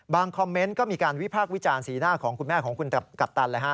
คอมเมนต์ก็มีการวิพากษ์วิจารณ์สีหน้าของคุณแม่ของคุณกัปตัน